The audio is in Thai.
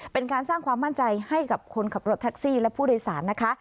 เป็นการสร้างความมั่นใจให้กับคนขับรถแท็กซี่และผู้โดยสารนะคะ